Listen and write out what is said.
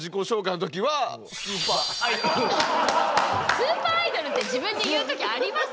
スーパーアイドルって自分で言う時あります？